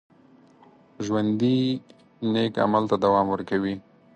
ژوندي نیک عمل ته دوام ورکوي